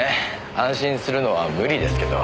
安心するのは無理ですけど。